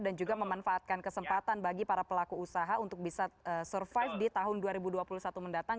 dan juga memanfaatkan kesempatan bagi para pelaku usaha untuk bisa survive di tahun dua ribu dua puluh satu mendatang